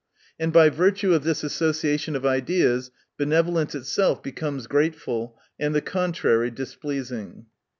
And by virtue of this association of ideas, benevolence itself becomes grateful, and the contrary displeasing.